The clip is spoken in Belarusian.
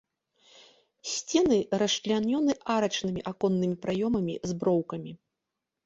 Сцены расчлянёны арачнымі аконнымі праёмамі з броўкамі.